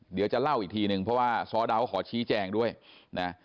เดี๋ยวจะเล่าอีกทีนึงเพราะว่าซ้อดาวขอชี้แจงด้วยนะ